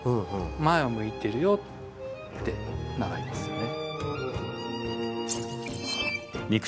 前を向いてるよって習いますよね。